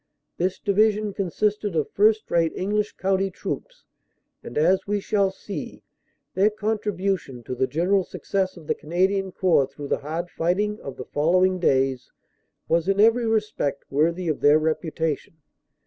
This Division consisted of first rate English County troops, and, as we shall see, their contribution to the general success of the Canadian Corps through the hard fighting of the following days was in every respect worthy of their reputation.